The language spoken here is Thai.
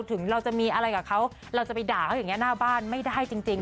ถึงเราจะมีอะไรกับเขาเราจะไปด่าเขาอย่างนี้หน้าบ้านไม่ได้จริง